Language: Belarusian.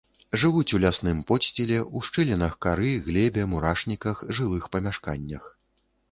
Жывуць у лясным подсціле, у шчылінах кары, глебе, мурашніках, жылых памяшканнях.